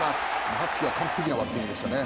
羽月は完璧なバッティングでしたね。